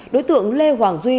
đối tượng lê hoàng duy